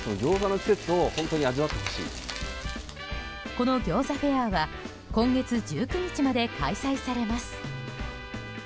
この餃子フェアは今月１９日まで開催されます。